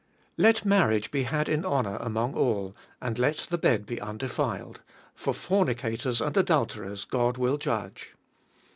Let marriage be had in honour among all, and let the bed be undefiled : for fornicators and adulterers God will judge.